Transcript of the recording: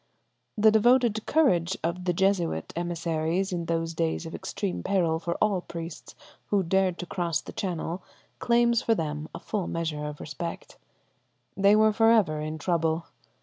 The devoted courage of the Jesuit emissaries in those days of extreme peril for all priests who dared to cross the channel claims for them a full measure of respect. They were for ever in trouble.